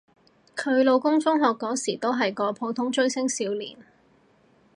佢老公中學嗰時都係個普通追星少年